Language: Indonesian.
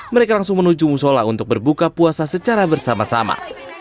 mereka langsung menuju musola untuk berbuka puasa secara bersama sama